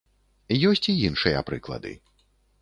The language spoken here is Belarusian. Ёсць і іншыя прыклады.